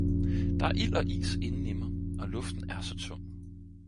Der er ild og is indeni mig og luften er så tung